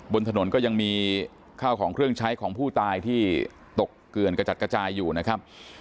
บนถนนก็ยังมีข้าวของเครื่องใช้ของผู้ตายที่ตกเกลือนกระจัดกระจายอยู่นะครับ